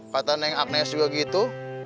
katanya agnez juga begitu